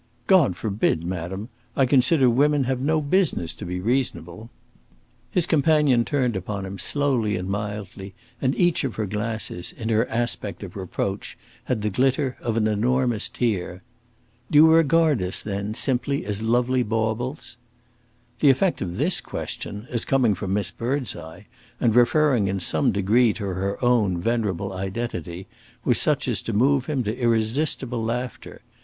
"God forbid, madam! I consider women have no business to be reasonable." His companion turned upon him, slowly and mildly, and each of her glasses, in her aspect of reproach, had the glitter of an enormous tear. "Do you regard us, then, simply as lovely baubles?" The effect of this question, as coming from Miss Birdseye, and referring in some degree to her own venerable identity, was such as to move him to irresistible laughter.